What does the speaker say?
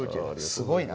すごいな。